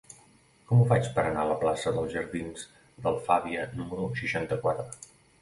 Com ho faig per anar a la plaça dels Jardins d'Alfàbia número seixanta-quatre?